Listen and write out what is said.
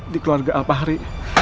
di keluarga alvahri